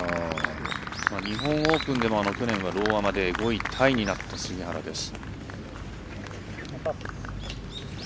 日本オープンでもローアマで５位タイになった杉原です。